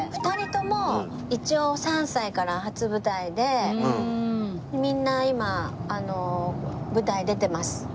２人とも一応３歳から初舞台でみんな今舞台出てます。